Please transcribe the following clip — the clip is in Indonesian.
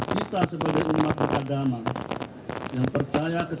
keluarga dan pelayar